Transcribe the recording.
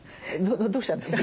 どうしたんですか？